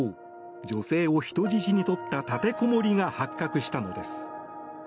女性を人質にとった立てこもりが発覚したのです。